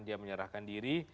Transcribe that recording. dia menyerahkan diri